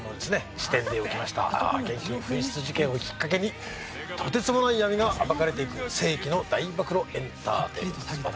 支店で起きました現金紛失事件をきっかけにとてつもない闇が暴かれていく世紀の大暴露エンターテインメントです。